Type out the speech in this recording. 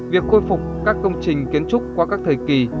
việc khôi phục các công trình kiến trúc qua các thời kỳ